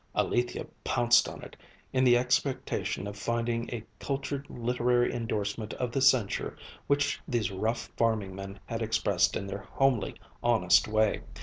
Alethia pounced on it, in the expectation of finding a cultured literary endorsement of the censure which these rough farming men had expressed in their homely, honest way.